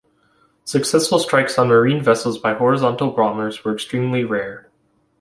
Successful strikes on marine vessels by horizontal bombers were extremely rare.